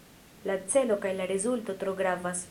La celo kaj la rezulto tro gravas.